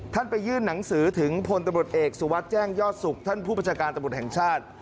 ไปยื่นหนังสือถึงพลตำรวจเอกสุวัสดิ์แจ้งยอดสุขท่านผู้ประชาการตำรวจแห่งชาติ